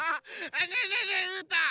ねえねえうーたん。